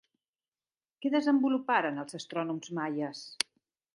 Què desenvoluparen els astrònoms maies?